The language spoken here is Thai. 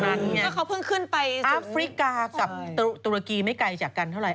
แล้วเขาเพิ่งขึ้นไปแอฟริกากับตุรกีไม่ไกลจากกันเท่าไห